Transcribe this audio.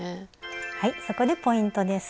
はいそこでポイントです。